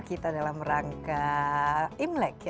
kita dalam rangka imlek